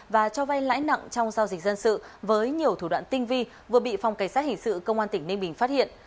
và cho vay lãi nặng trong giao dịch dân sự với nhiều thủ đoạn tinh vi vừa bị phòng cảnh sát hình sự công an tỉnh ninh bình phát hiện